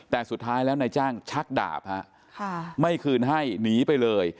แต่สุดท้ายแล้วนายจ้างชักดาบไม่คืนให้หนีไปเลย